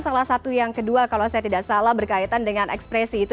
salah satu yang kedua kalau saya tidak salah berkaitan dengan ekspresi itu